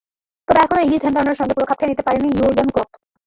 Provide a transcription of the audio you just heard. তবে এখনো ইংলিশ ধ্যানধারণার সঙ্গে পুরো খাপ খাইয়ে নিতে পারেননি ইয়ুর্গেন ক্লপ।